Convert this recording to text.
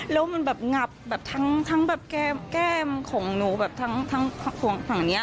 แล้วมันแบบงับแบบทั้งแบบแก้มของหนูแบบทั้งฝั่งนี้